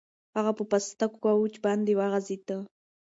هغه په پاسته کوچ باندې وغځېد.